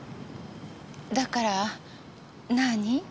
だから何？